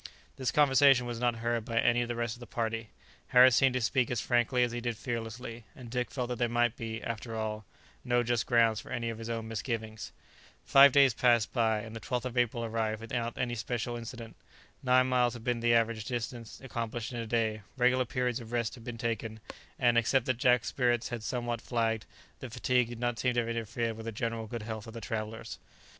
This conversation was not heard by any of the rest of the party. Harris seemed to speak as frankly as he did fearlessly, and Dick felt that there might be, after all, no just grounds for any of his own misgivings. Five days passed by, and the 12th of April arrived without any special incident. Nine miles had been the average distance accomplished in a day; regular periods of rest had been taken, and, except that Jack's spirits had somewhat flagged, the fatigue did not seem to have interfered with the general good health of the travellers.